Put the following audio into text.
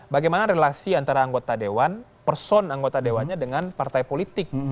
bagaimana relasi antara anggota dewan person anggota dewannya dengan partai politik